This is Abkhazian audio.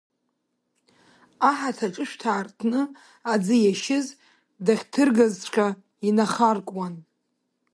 Аҳаҭа аҿышәҭа аартны аӡы иашьыз дахьҭыргазҵәҟа инахаркуан.